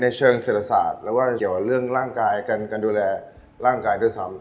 เชิงเศรษฐศาสตร์หรือว่าเกี่ยวเรื่องร่างกายการดูแลร่างกายด้วยซ้ำ